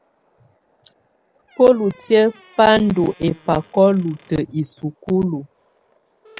Bǝ́lutiǝ́ bá ndɔ́ ɛ́bákɔ lutǝ́ isúkulu.